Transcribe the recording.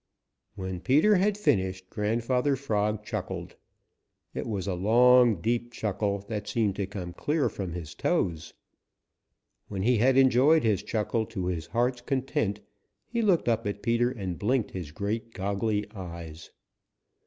When Peter had finished, Grandfather Frog chuckled. It was a long, deep chuckle that seemed to come clear from his toes. When he had enjoyed his chuckle to his heart's content, he looked up at Peter and blinked his great goggly eyes.